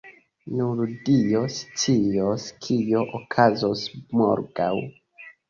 Nur dio scias kio okazos morgaŭ.